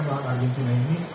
dan argentina ini